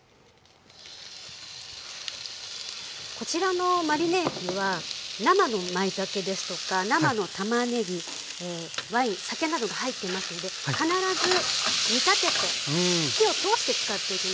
こちらのマリネ液は生のまいたけですとか生のたまねぎワイン酒などが入っていますので必ず煮たてて火を通して使っていきます。